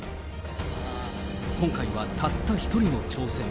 今回はたった一人の挑戦。